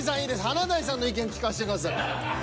華大さんの意見聞かしてください。